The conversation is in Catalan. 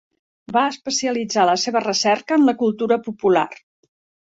Va especialitzar la seva recerca en la cultura popular.